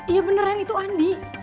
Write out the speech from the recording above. iya beneran itu andi